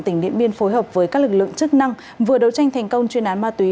tỉnh điện biên phối hợp với các lực lượng chức năng vừa đấu tranh thành công chuyên án ma túy